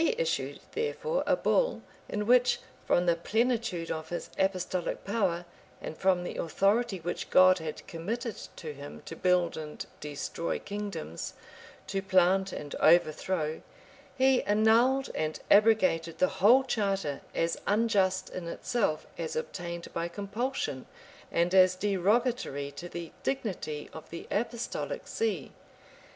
He issued, therefore, a bull, in which, from the plenitude of his apostolic power, and from the authority which God had committed to him, to build and destroy kingdoms, to plant and overthrow, he annulled and abrogated the whole charter, as unjust in itself, as obtained by compulsion, and as derogatory to the dignity of the apostolic see.